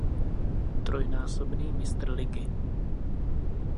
Trojnásobný mistr ligy.